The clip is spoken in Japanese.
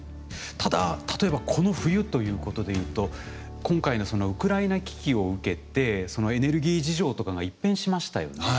ただ例えばこの冬ということでいうと今回のウクライナ危機を受けてエネルギー事情とかが一変しましたよね。